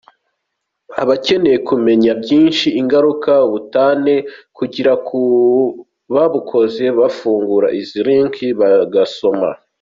Abakeneye kumenya byinshi ingaruka ubutane bugira ku babukoze bafungura izi links bagasoma.